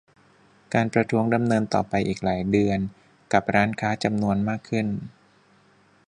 การประท้วงดำเนินต่อไปอีกหลายเดือนกับร้านค้าจำนวนมากขึ้น